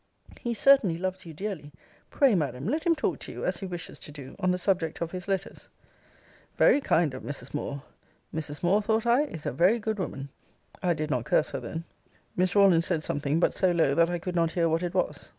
He certainly loves you dearly. Pray, Madam, let him talk to you, as he wishes to do, on the subject of his letters. Very kind of Mrs. Moore! Mrs. Moore, thought I, is a very good woman. I did not curse her then. Miss Rawlins said something; but so low that I could not hear what it was.